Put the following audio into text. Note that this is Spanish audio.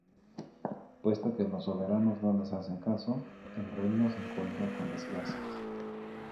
Puesto que los soberanos no les hacen caso, el reino se encuentra con desgracias.